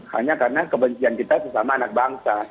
hanya karena kebencian kita sesama anak bangsa